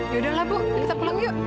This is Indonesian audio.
ya udah lah bu kita pulang yuk